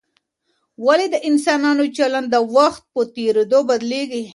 ولي د انسانانو چلند د وخت په تېرېدو بدلیږي؟